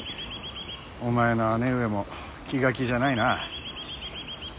お前の姉上も気が気じゃないな。